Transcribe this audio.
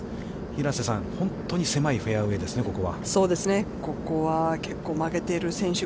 平瀬さん、本当に狭いフェアウェイですね、ここは。